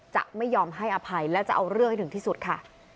จะไม่ยอมให้อภัยและจะเอาเรื่องให้ถึงที่สุดค่ะ